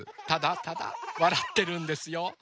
ただただわらってるんですよ。